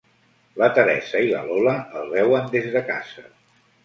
La Teresa i la Lola el veuen des de casa.